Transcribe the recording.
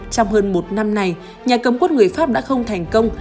trong hơn một năm này nhà cầm quân người pháp đã không thành công